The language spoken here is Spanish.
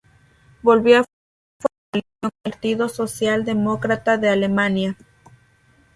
Volvió a formar coalición con el Partido Socialdemócrata de Alemania.